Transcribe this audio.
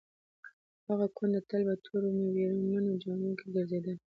هغه کونډه تل په تورو ویرمنو جامو کې ګرځېدله.